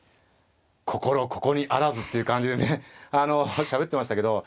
心ここにあらずっていう感じでねあのしゃべってましたけど何かね